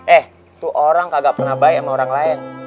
eh tuh orang kagak pernah baik sama orang lain